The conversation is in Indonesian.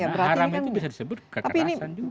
karena haram itu bisa disebut kekerasan juga